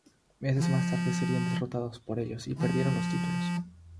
Meses más tarde, serían derrotados por ellos y perdieron los títulos.